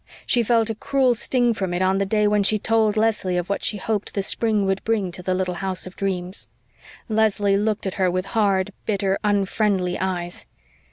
She felt a cruel sting from it on the day when she told Leslie of what she hoped the spring would bring to the little house of dreams. Leslie looked at her with hard, bitter, unfriendly eyes.